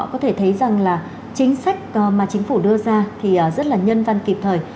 có thể thấy rằng là chính sách mà chính phủ đưa ra thì rất là nhân văn kịp thời